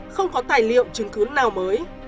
không có tài liệu chứng cứ nào mới